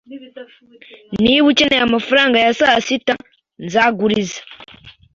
Niba ukeneye amafaranga ya sasita, nzaguriza.